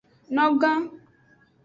Nogan.